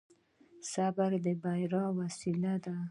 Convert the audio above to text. صبر د بري وسيله ده.